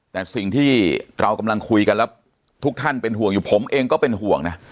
แต่สิ่งที่เรากำลังคุยกันแล้วทุกท่านเป็นห่วงอยู่ผมเองก็เป็นห่วงนะ